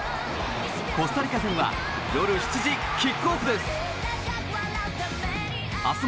コスタリカ戦は夜７時キックオフです！